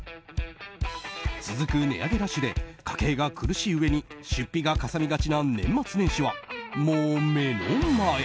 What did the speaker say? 続く値上げラッシュで家計が苦しいうえに出費がかさみがちな年末年始はもう目の前。